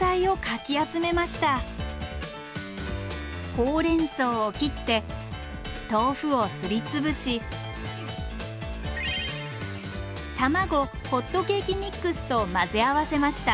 ほうれんそうを切って豆腐をすりつぶし卵ホットケーキミックスと混ぜ合わせました。